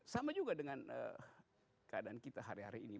sama juga dengan keadaan kita hari hari ini